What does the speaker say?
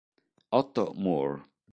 Otto Moore